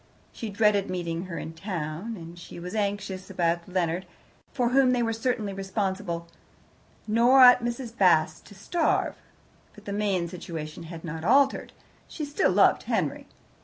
She dreaded meeting her in town. And she was anxious about Leonard, for whom they certainly were responsible. Nor ought Mrs. Bast to starve. But the main situation had not altered. She still loved Henry.